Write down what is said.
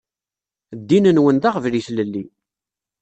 Ddin-nwen d aɣbel i tlelli.